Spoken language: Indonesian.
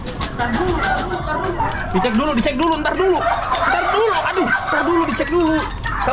di cek dulu di cek dulu di cek dulu di cek dulu di cek dulu di cek dulu di cek dulu